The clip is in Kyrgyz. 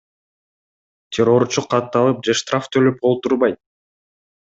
Террорчу катталып же штраф төлөп олтурбайт.